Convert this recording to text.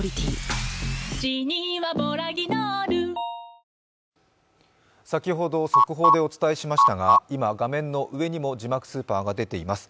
弁護士によると、先週金曜３社が先ほど、速報でお伝えしましたが今、画面の上にも字幕スーパーが出ています。